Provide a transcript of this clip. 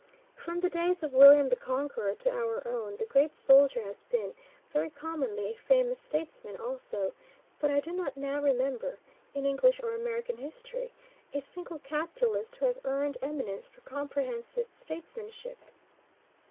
From the days of William the Conqueror to our own, the great soldier has been, very commonly, a famous statesman also, but I do not now remember, in English or American history, a single capitalist who has earned eminence for comprehensive statesmanship.